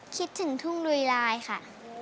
คิดถึงทุ่งลุยลายค่ะ